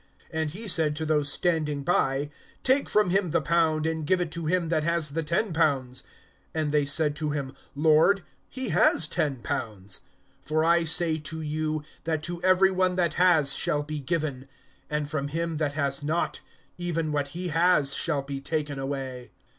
(24)And he said to those standing by: Take from him the pound, and give it to him that has the ten pounds. (25)And they said to him: Lord, he has ten pounds. (26)For I say to you, that to every one that has shall be given; and from him that has not, even what he has shall be taken away.